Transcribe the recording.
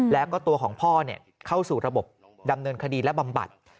แล้วก็ตัวของพ่อเข้าสู่ระบบดำเนินคดีและบำบัด